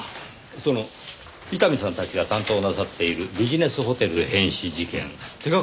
その伊丹さんたちが担当なさっているビジネスホテル変死事件手掛かりが見えてきたとか。